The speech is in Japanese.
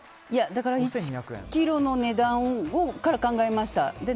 だから、１ｋｇの値段から考えました。